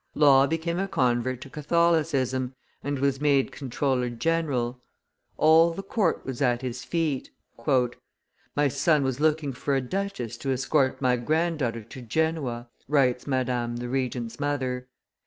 Law became a convert to Catholicism, and was made comptroller general; all the court was at his feet. "My son was looking for a duchess to escort my granddaughter to Genoa," writes Madame, the Regent's mother.